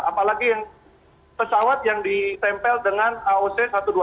apalagi pesawat yang ditempel dengan aoc satu ratus dua puluh